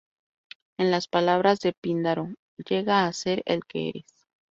En las palabras de Píndaro: "llega a ser el que eres".